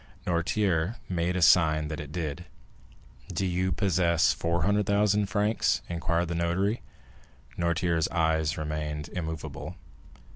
Noirtier made a sign that it did. "Do you possess 400,000 francs?" inquired the notary. Noirtier's eye remained immovable.